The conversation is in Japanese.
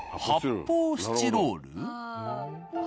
発泡スチロール。